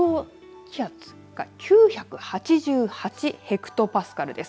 気圧が９８８ヘクトパスカルです。